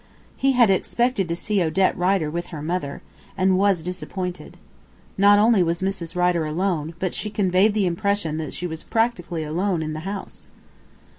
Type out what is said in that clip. He had expected to see Odette Rider with her mother, and was disappointed. Not only was Mrs. Rider alone, but she conveyed the impression that she was practically alone in the house.